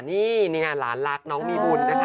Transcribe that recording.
นี่นี่หลานรักน้องมีบุญนะคะ